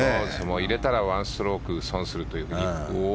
入れたら１ストローク損するという。